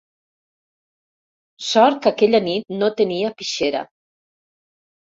Sort que aquella nit no tenia pixera.